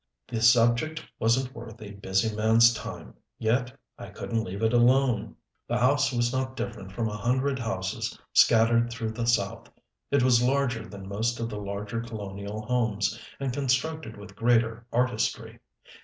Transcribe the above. The subject wasn't worth a busy man's time, yet I couldn't leave it alone. The house was not different from a hundred houses scattered through the south. It was larger than most of the larger colonial homes, and constructed with greater artistry.